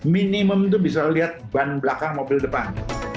minimum itu bisa lihat ban belakang mobil depan